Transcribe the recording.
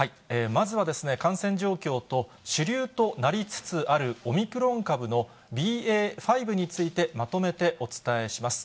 まずは感染状況と、主流となりつつあるオミクロン株のＢＡ．５についてまとめてお伝えします。